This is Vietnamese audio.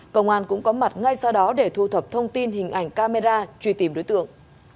công an cũng có mặt ngay sau đó để thu thập thông tin hình ảnh camera truy tìm đối tượng